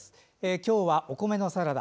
今日は、お米のサラダ。